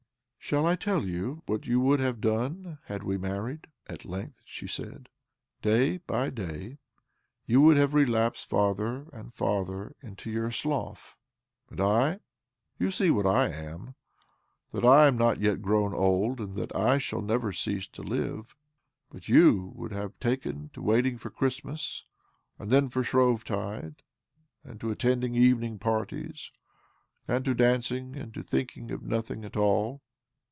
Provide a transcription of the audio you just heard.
"Shall I tell you what you would have done had we married? " at length she said. "Day by day you would have relapsed farther and farther into your slough. And I ? You see what I am^that I am not yet grown old', and that I shall never cease to li^^e. But you woulid have taken to waiting for Christmas, and then for Shrovetide, and to attending evening' parties, and to dancing, and to thinking of nothing at all